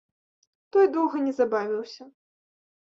Той доўга не забавіўся.